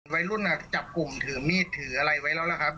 ไว้รุ่นอ่ะจับกุ่มถือมีดถืออะไรไว้แล้วแล้วครับ